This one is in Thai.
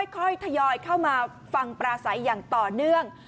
ค่อยทยอยเข้ามาฟังปราศัยอย่างต่อเนื่อง